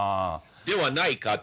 ではないかと。